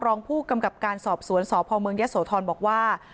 รองผู้กำกับการสอบสวนสพมยศธรบอกว่า